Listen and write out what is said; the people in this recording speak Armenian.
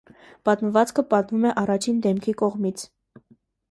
Պատմվածքը պատմվում է առաջին դեմքի կողմից։